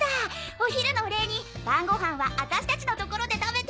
お昼のお礼に晩ご飯は私達の所で食べて！